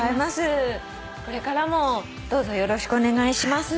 これからもどうぞよろしくお願いします。